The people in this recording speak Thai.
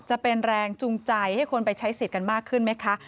จะเป็นแรงจูงใจให้คนไปใช้สิทธิ์กันมากขึ้นไหมคะ